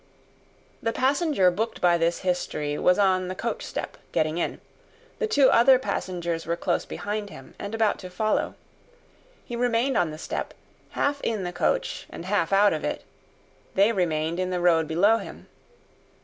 The passenger booked by this history, was on the coach step, getting in; the two other passengers were close behind him, and about to follow. He remained on the step, half in the coach and half out of; they remained in the road below him.